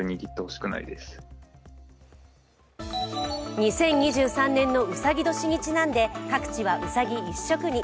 ２０２３年のうさぎ年にちなんで各地はうさぎ一色に。